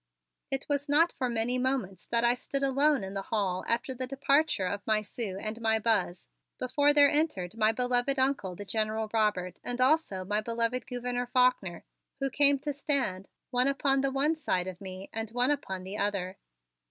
It was not for many moments that I stood alone in the hall after the departure of my Sue and my Buzz, before there entered my beloved Uncle, the General Robert, and also my beloved Gouverneur Faulkner, who came to stand, one upon the one side of me and one upon the other.